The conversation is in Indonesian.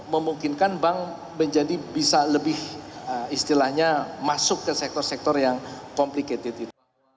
memungkinkan bank menjadi bisa lebih istilahnya masuk ke sektor sektor yang complicated